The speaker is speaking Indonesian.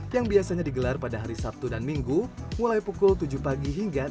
yang biasanya digelar pada hari sabtu dan minggu mulai pukul tujuh pagi hingga enam puluh